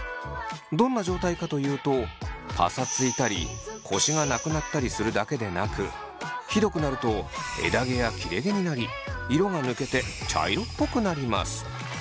どんな状態かというとパサついたりコシがなくなったりするだけでなくひどくなると枝毛や切れ毛になり色が抜けて茶色っぽくなります。